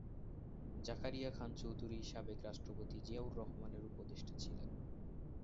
জাকারিয়া খান চৌধুরী সাবেক রাষ্ট্রপতি জিয়াউর রহমানের উপদেষ্টা ছিলেন।